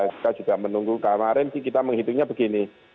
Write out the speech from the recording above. kita juga menunggu karena rmc kita menghitungnya begini